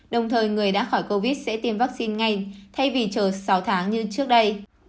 đồng thời người đã khỏi covid sẽ tiêm vaccine ngay thay vì chờ sáu tháng như trước đây